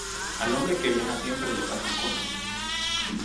Al hombre que viaja siempre le pasan cosas.